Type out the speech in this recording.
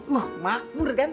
loh makmur kan